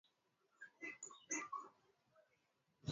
unaweza kuepukwa na kama mifano inavyoonyesha kupunguza